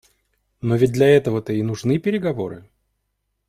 Но ведь для этого-то и нужны переговоры.